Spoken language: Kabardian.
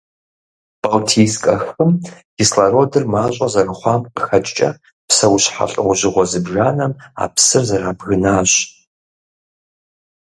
Балтийскэ хым кислородыр мащӀэ зэрыщыхъуам къыхэкӀкӀэ, псэущхьэ лӀэужьыгъуэ зыбжанэм а псыр зэрабгынащ.